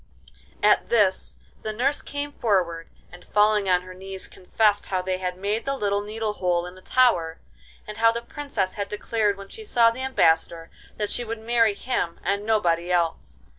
At this the nurse came forward, and, falling on her knees, confessed how they had made the little needle hole in the tower, and how the Princess had declared when she saw the Ambassador that she would marry him and nobody else.